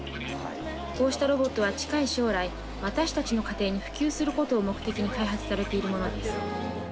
こうしたロボットは近い将来、私たちの家庭に普及することを目的に開発されているものです。